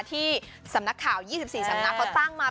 ที่สำนักข่าว๒๔สำนักเขาตั้งมา